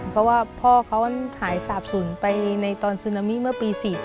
เพราะว่าพ่อเขาหายสาบศูนย์ไปในตอนซึนามิเมื่อปี๔๘